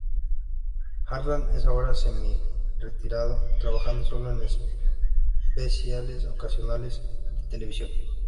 Harlan es ahora semi-retirado, trabajando sólo en especiales ocasionales de televisión.